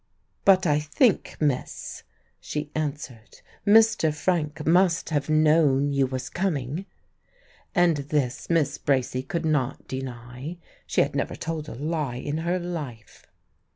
"But I think, miss," she answered, "Mr. Frank must have known you was coming." And this Miss Bracy could not deny. She had never told a lie in her life.